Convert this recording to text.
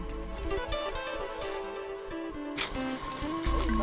bagi para pelatih yang memiliki kekuatan sampah